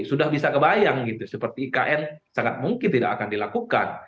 sudah bisa kebayang gitu seperti ikn sangat mungkin tidak akan dilakukan